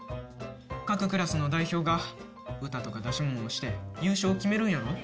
各クラスの代表が歌とか出し物をして、優勝決めるんやろ？